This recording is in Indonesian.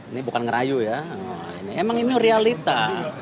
ini bukan ngerayu ya ini emang ini realita